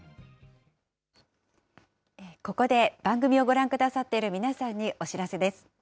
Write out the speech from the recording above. ここで番組をご覧くださっている皆さんにお知らせです。